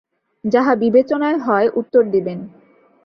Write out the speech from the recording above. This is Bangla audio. যাহা বিবেচনায় হয়, উত্তর দিবেন।